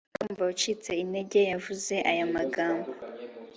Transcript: kumva ucitse intege, yavuze aya magambo